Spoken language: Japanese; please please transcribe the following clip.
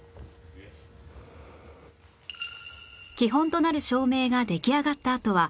基本となる照明が出来上がったあとは１２３。